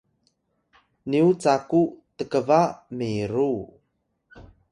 nyu caku tkba miru